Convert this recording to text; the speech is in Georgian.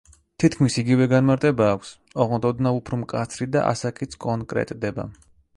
თითქმის იგივე განმარტება აქვს, ოღონდ ოდნავ უფრო მკაცრი და ასაკიც კონკრეტდება.